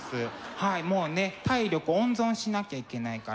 はいもうね体力温存しなきゃいけないから。